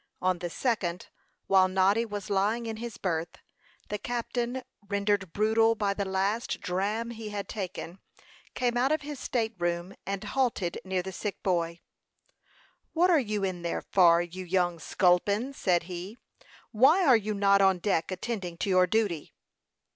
On the second, while Noddy was lying in his berth, the captain, rendered brutal by the last dram he had taken, came out of his state room, and halted near the sick boy. "What are you in there for, you young sculpin?" said he. "Why are you not on deck, attending to your duty?"